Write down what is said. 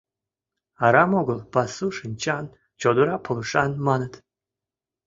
Арам огыл «пасу шинчан, чодыра пылышан» маныт.